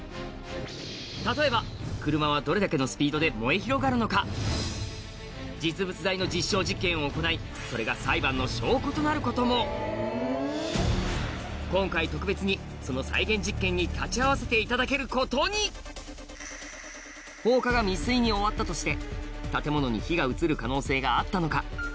例えば車はどれだけのスピードで燃え広がるのか実物大の実証実験を行いそれがなることも今回特別にその再現実験に立ち会わせていただけることに放火が未遂に終わったとして建物に火が移る可能性があったのか？